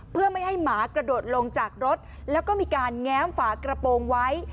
เพื่อไม่ให้หมากระโดดลงจากรถแล้วก็มีการแง้มฝากระโปรงไว้